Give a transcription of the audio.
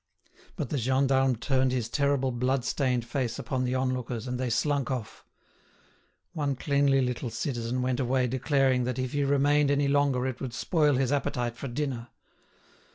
But the gendarme turned his terrible blood stained face upon the onlookers, and they slunk off. One cleanly little citizen went away declaring that if he remained any longer it would spoil his appetite for dinner.